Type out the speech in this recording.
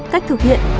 cách thực hiện